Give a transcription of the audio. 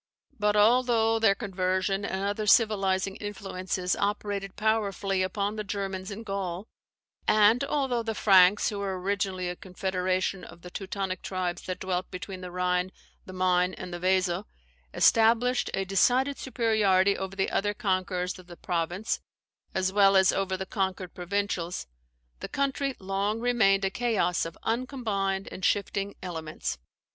But, although their conversion and other civilizing influences operated powerfully upon the Germans in Gaul; and although the Franks (who were originally a confederation of the Teutonic tribes that dwelt between the Rhine, the Maine, and the Weser) established a decided superiority over the other conquerors of the province, as well as over the conquered provincials, the country long remained a chaos of uncombined and shifting elements.